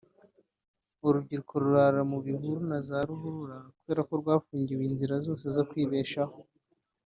urubyiruko rurara mu bihuru na za ruhurura kubera ko rwafungiwe inzira zose zo kwibeshaho